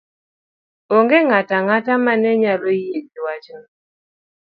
Onge ng'ato ang'ata ma ne nyalo yie gi wachno